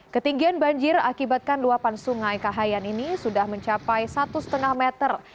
ketinggian banjir akibatkan luapan sungai kahayan ini sudah mencapai satu lima meter